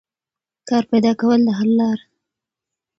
کار پیدا کول د حل لار ده.